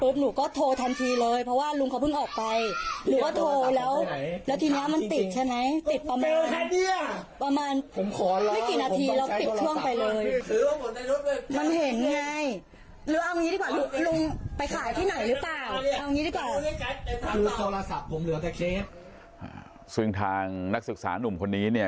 ซึ่งทางนักศึกษานุ่มคนนี้เนี่ย